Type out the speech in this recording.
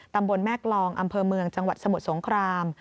ตำบลแม่กลองอำเภอเมืองจังหวัดสมุทรสงคราม